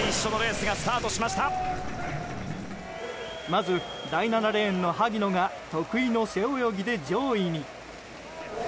まず第７レーンの萩野が得意の背泳ぎで上位に。